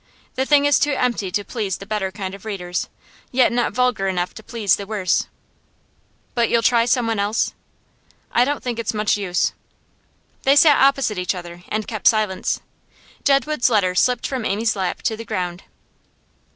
The thing is too empty to please the better kind of readers, yet not vulgar enough to please the worse.' 'But you'll try someone else?' 'I don't think it's much use.' They sat opposite each other, and kept silence. Jedwood's letter slipped from Amy's lap to the ground.